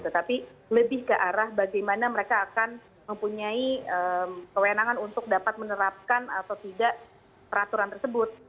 tetapi lebih ke arah bagaimana mereka akan mempunyai kewenangan untuk dapat menerapkan atau tidak peraturan tersebut